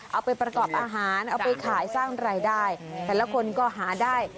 เอาไปประกอบอาหารเอาไปขายสร้างรายได้แต่ละคนก็หาได้